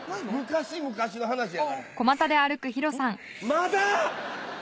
まだ⁉